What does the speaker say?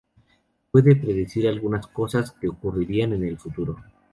Puede predecir algunas cosas que ocurrirán en el futuro.